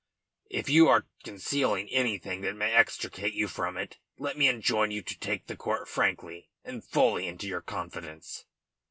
If you are concealing anything that may extricate you from it, let me enjoin you to take the court frankly and fully into your confidence."